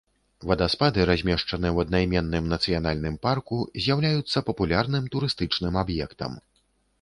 Вадаспады размешчаны ў аднайменным нацыянальным парку, з'яўляюцца папулярным турыстычным аб'ектам.